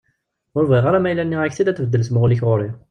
Ur bɣiɣ ara ma yella nniɣ-ak-t-id ad tbeddel tmuɣli-k ɣur-i!